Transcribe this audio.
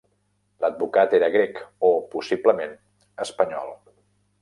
L'advocat era grec o, possiblement, espanyol.